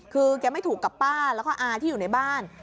คือแกไม่ถูกกับป้าแล้วก็อาที่อยู่ในบ้าน